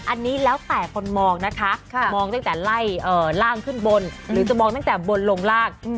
อันนี้แล้วแต่คนมองนะคะมองตั้งแต่ไล่ล่างขึ้นบนหรือจะมองตั้งแต่บนลงล่าง